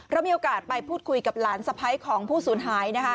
เรามีโอกาสไปพูดคุยกับหลานสะพ้ายของผู้สูญหาย